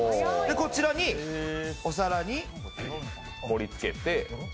こちらに、お皿に盛り付けて。